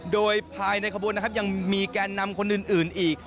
โดยภายในขบวนนะครับยังมีแกนนำคนอื่นอีก